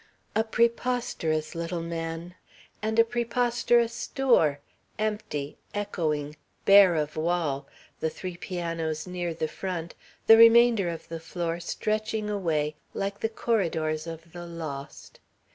A preposterous little man. And a preposterous store, empty, echoing, bare of wall, the three pianos near the front, the remainder of the floor stretching away like the corridors of the lost.